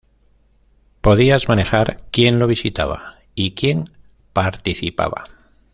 Podías manejar quien lo visitaba y quien participaba.